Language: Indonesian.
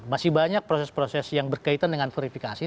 masih banyak proses proses yang berkaitan dengan verifikasi